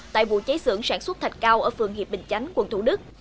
tại vụ cháy sưởng sản xuất thạch cao ở phường hiệp bình chánh quận thủ đức